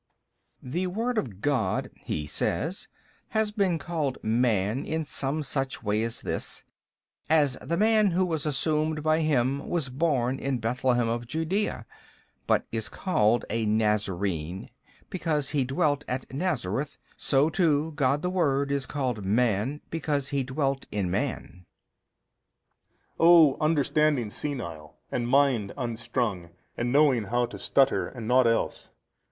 B. The Word of God (he says) has been called man in some such way as this: as the man who was assumed by Him was born in Bethlehem of Judaea, but is called a Nazarene because he dwelt at Nazareth 41, so too God the Word is called man because He dwelt in man. A. O understanding senile and mind unstrung and knowing how to stutter and nought else!